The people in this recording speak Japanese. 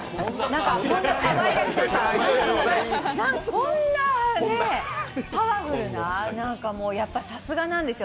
こんなかわいらしいなんだろこんなパワフルな、やっぱりさすがなんですよ。